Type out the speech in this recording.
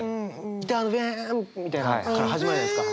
ギターの「フェン」みたいなから始まるじゃないですか。